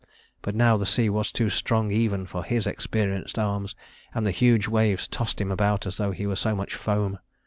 But now the sea was too strong even for his experienced arms, and the huge waves tossed him about as though he were so much foam.